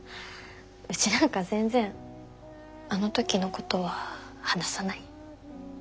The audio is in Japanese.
うちなんか全然あの時のことは話さない。